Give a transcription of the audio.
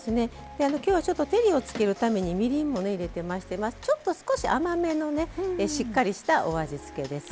今日はちょっと照りをつけるためにみりんも入れてましてちょっと少し甘めのねしっかりしたお味付けです。